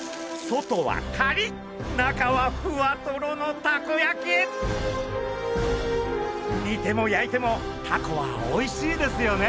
外はカリッ中はふわトロのたこ焼き！にても焼いてもタコはおいしいですよね？